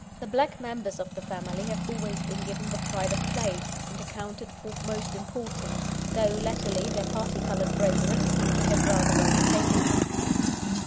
The black members of the family have always been given the pride of place, and accounted of most importance, though latterly their parti coloured brethren seem to have rather overtaken them.